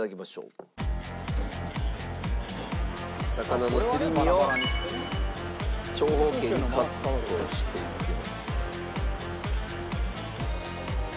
魚のすり身を長方形にカットしていきます。